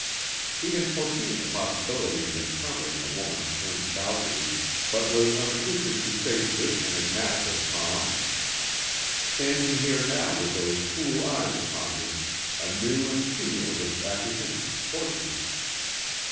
He had foreseen the possibility of encountering a woman turned Valkyrie, but was unaccoutred to face this enigmatical calm. Standing here now with those cool eyes upon him, a new and cumulative apprehension tortured him.